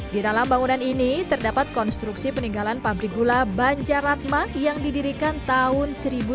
di dalam bangunan ini terdapat konstruksi peninggalan pabrik gula banjaratma yang didirikan tahun seribu sembilan ratus delapan puluh